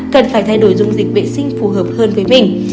cần phải thay đổi dùng dịch vệ sinh phù hợp hơn với mình